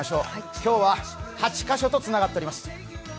今日は８カ所とつながっております。